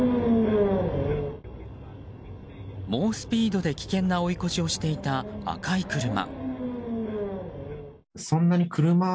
猛スピードで危険な追い越しをしていた赤い車。